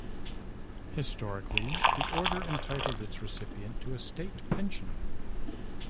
Historically the order entitled its recipient to a state pension.